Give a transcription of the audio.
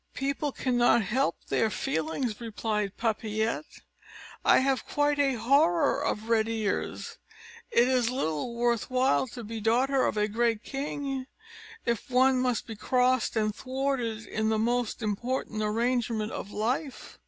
"People cannot help their feelings," replied Papillette; "I have quite a horror of red ears; it is little worth while to be daughter of a great king, if one must be crossed and thwarted in the most important arrangement of life."